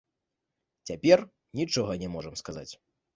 Цяпер нічога не можам казаць.